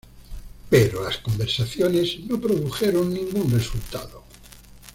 Pero las conversaciones no produjeron ningún resultado.